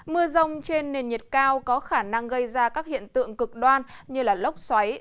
mưa rông trên nền nhiệt cao có khả năng gây ra các hiện tượng cực đoan như lốc xoáy